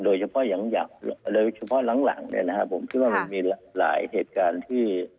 โดยเฉพาะหลังผมคิดว่ามีหลายเหตุการณ์ที่